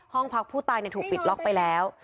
ห้องพักผู้ตายถูกปิดล็อกไปแล้ว